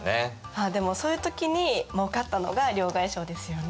まあでもそういう時にもうかったのが両替商ですよね。